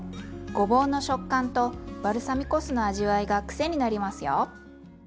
ごぼうの食感とバルサミコ酢の味わいが癖になりますよ。